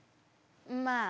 まあ。